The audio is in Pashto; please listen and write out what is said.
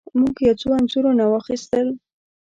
موږ یو څو انځورونه واخیستل.